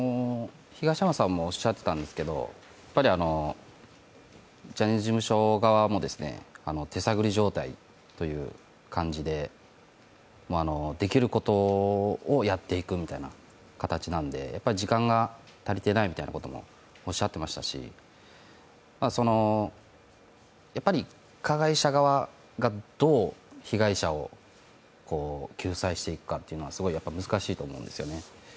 東山さんもおっしゃっていたんですけど、ジャニーズ事務所側も手探り状態という感じでできることをやっていくみたいな形なので、時間が足りていてないみたいなこともおっしゃっていましたし、加害者側がどう被害者を救済していくかというのはすごい難しいと思うんですよね。